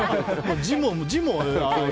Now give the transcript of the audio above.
字も。